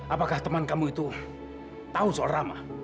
apakah teman kamu itu tahu soal ramah